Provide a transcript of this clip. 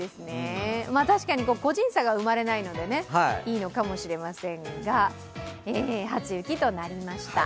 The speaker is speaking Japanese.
確かに個人差が生まれないので、いいかもしれませんが、初雪となりました。